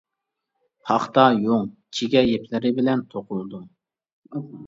پاختا، يۇڭ، چىگە يىپلىرى بىلەن توقۇلىدۇ.